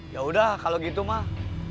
yaudah kalau gitu mah